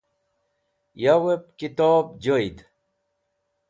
Yawep Kitob Joyd